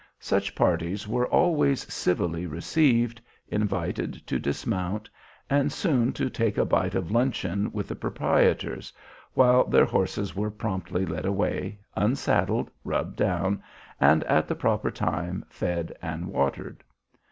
Such parties were always civilly received, invited to dismount, and soon to take a bite of luncheon with the proprietors, while their horses were promptly led away, unsaddled, rubbed down, and at the proper time fed and watered.